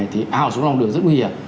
thì ao xuống lòng đường rất nguy hiểm